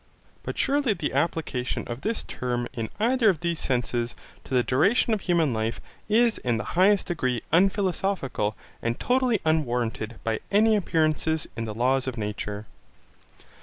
But surely the application of this term in either of these senses to the duration of human life is in the highest degree unphilosophical and totally unwarranted by any appearances in the laws of nature.